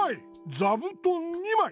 ざぶとん２まい！